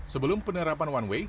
sebelum penerapan one way